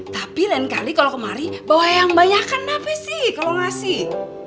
tapi lain kali kalau kemari bawa yang banyak kan napi sih kalau ngasih